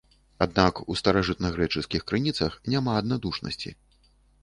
Аднак у старажытнагрэчаскіх крыніцах няма аднадушнасці.